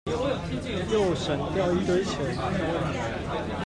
又省掉一堆錢